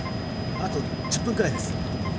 あと１０分くらいです。